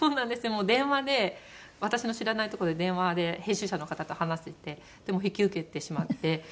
もう電話で私の知らないとこで電話で編集者の方と話していてでもう引き受けてしまって。